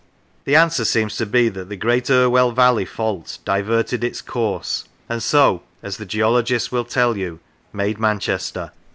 The answer seems to be that the great Irwell valley fault diverted its course, and so, as the geologists will tell you, made Manchester.